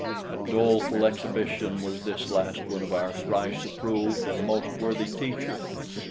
A doleful exhibition was this last one of our thrice approved and most worthy teacher!